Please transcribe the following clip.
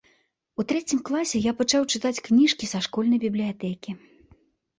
У трэцім класе я пачаў чытаць кніжкі са школьнай бібліятэкі.